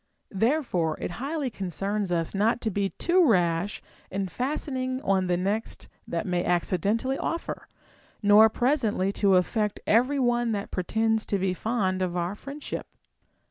Therefore it highly concerns ns not to be too rash in fastening on the next that may accidentally offer, nor pres ently to affect every one that pretends to be fond of our friendship.